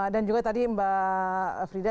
dan juga tadi mbak frida